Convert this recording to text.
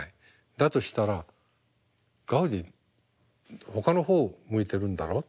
だとしたらガウディほかの方を向いてるんだろ。